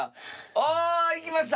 ああ行きました！